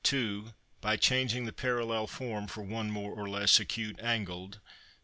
2. By changing the parallel form for one more or less acute angled.